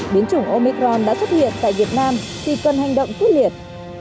biến chủng omicram đã xuất hiện tại việt nam thì cần hành động quyết liệt